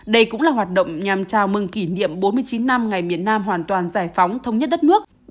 đây cũng là hoạt động nhằm chào mừng kỷ niệm bốn mươi chín năm ngày miền nam hoàn toàn giải phóng thống nhất đất nước